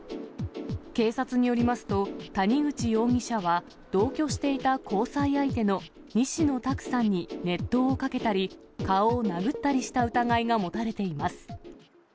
警察によりますと、谷口容疑者は同居していた交際相手の西野太九さんに熱湯をかけたり、顔を殴ったりした疑いが持たれています。